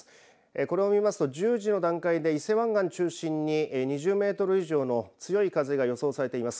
これを見ますと１０時の段階で伊勢湾岸中心に２０メートル以上の強い風が予想されています。